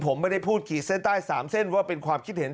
ผมไม่ได้พูดขีดเส้นใต้๓เส้นว่าเป็นความคิดเห็น